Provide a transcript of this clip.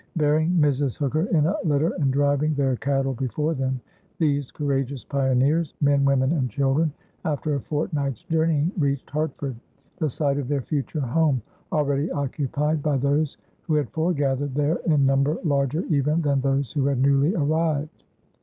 Bearing Mrs. Hooker in a litter and driving their cattle before them, these courageous pioneers, men, women, and children, after a fortnight's journeying, reached Hartford, the site of their future home, already occupied by those who had foregathered there in number larger even than those who had newly arrived.